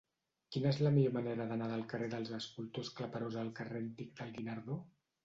Quina és la millor manera d'anar del carrer dels Escultors Claperós al carrer Antic del Guinardó?